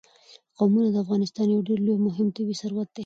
قومونه د افغانستان یو ډېر لوی او مهم طبعي ثروت دی.